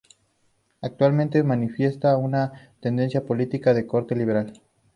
Actualmente manifiesta una tendencia política de corte liberal.